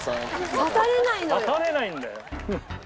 刺されないんだよ。